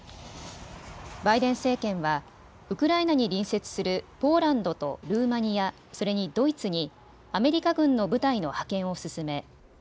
バイデン政権はウクライナに隣接するポーランドとルーマニア、それにドイツにアメリカ軍の部隊の派遣を進め